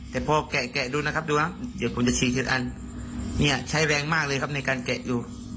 แต่พอแกะดูนะครับดูครับเดี๋ยวผมจะ๔๐อันเนี่ยใช้แรงมากเลยครับในการแกะดู